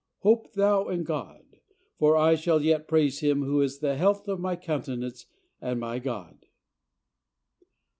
Hope thou in God; for I shall yet praise Him, who is the health of my countenance and my God."